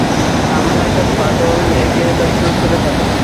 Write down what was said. সামান্য একটা ফাটল একে তছনছ করে ফেলে।